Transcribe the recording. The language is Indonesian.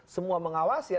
semua mengawasi ya